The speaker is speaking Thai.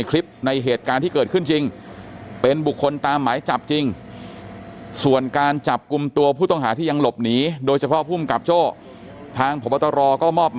จริงจริงจริงจริงจริงจริงจริงจริงจริงจริงจริงจริงจริง